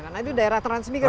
karena itu daerah transmigran